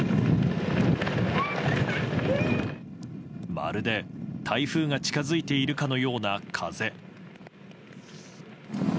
まるで台風が近づいているかのような風。